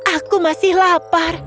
aku masih lapar